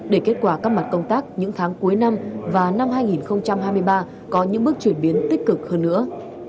để kết quả các mặt công tác những tháng cuối năm và năm hai nghìn hai mươi ba có những bước chuyển biến tích cực hơn nữa